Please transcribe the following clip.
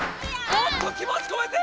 もっときもちこめて！